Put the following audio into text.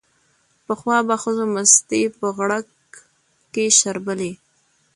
پخوا به ښځو مستې په غړګ کې شربلې